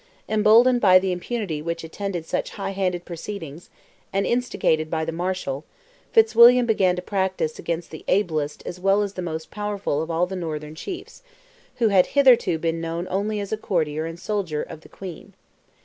Emboldened by the impunity which attended such high handed proceedings, and instigated by the Marshal, Fitzwilliam began to practise, against the ablest as well as the most powerful of all the Northern chiefs, who had hitherto been known only as a courtier and soldier of the Queen.